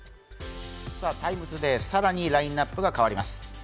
「ＴＩＭＥ，ＴＯＤＡＹ」、更にラインナップが変わります。